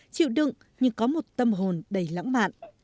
chịu đựng nhưng có một tâm hồn đầy lãng mạn